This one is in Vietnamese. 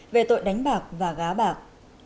về tội đánh bạc và gá bạc